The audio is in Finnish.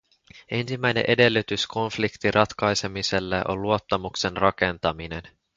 Ensimmäinen edellytys konfliktin ratkaisemiselle on luottamuksen rakentaminen.